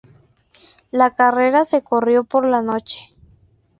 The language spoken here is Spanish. La carrera se corrió por la noche.